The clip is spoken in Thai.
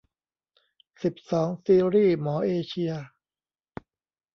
สิบสอง ซีรีส์หมอเอเชีย